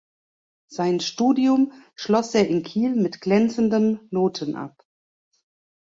Sein Studium schloss er in Kiel mit glänzendem Noten ab.